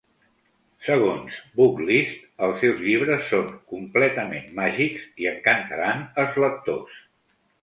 Segons "Booklist", els seus llibres són "completament màgics" i encantaran els lectors.